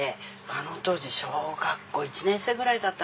あの当時小学校１年生ぐらいだったかな。